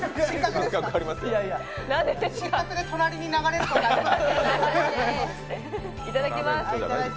失格で隣に流れることあります？